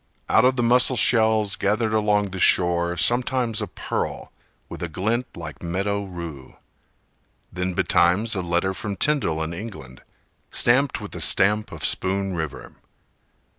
Out of the mussel shells gathered along the shore Sometimes a pearl with a glint like meadow rue: Then betimes a letter from Tyndall in England, Stamped with the stamp of Spoon River.